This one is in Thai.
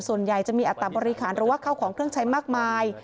ส่วนใหญ่จะมีอัตบริหารหรือว่าเข้าของเครื่องใช้มากมาย